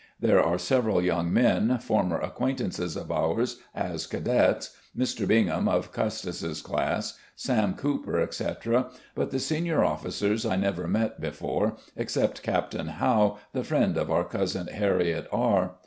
There are several yo\mg men, former ac quaintances of ours, as cadets, Mr. Bingham of Custis's class, Sam Cooper, etc., but the senior officers I never met before, except Captain Howe, the friend of our Cotisin Harriet R